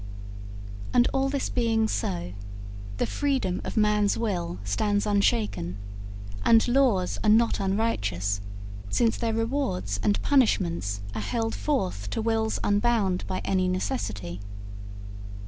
'And all this being so, the freedom of man's will stands unshaken, and laws are not unrighteous, since their rewards and punishments are held forth to wills unbound by any necessity.